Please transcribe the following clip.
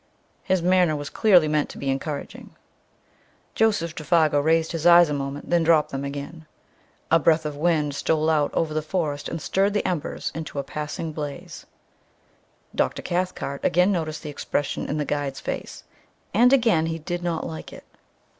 His manner was clearly meant to be encouraging. Joseph Défago raised his eyes a moment, then dropped them again. A breath of wind stole out of the forest and stirred the embers into a passing blaze. Dr. Cathcart again noticed the expression in the guide's face, and again he did not like it.